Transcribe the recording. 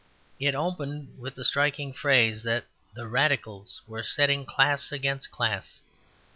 It opened with the striking phrase that the Radicals were setting class against class.